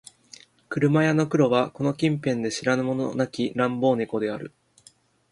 車屋の黒はこの近辺で知らぬ者なき乱暴猫である